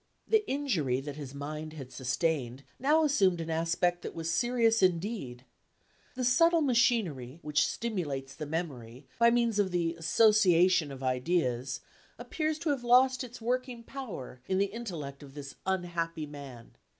The injury that his mind had sustained now assumed an aspect that was serious indeed. The subtle machinery, which stimulates the memory, by means of the association of ideas, appeared to have lost its working power in the intellect of this unhappy man.